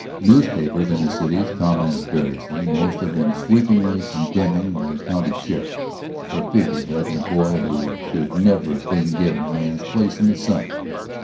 Newspapers in the cities commented variously, most of them sweepingly condemning the county's sheriff for a figurehead and a boy who should never have been given a man's place in the sun.